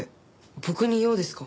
僕に用ですか？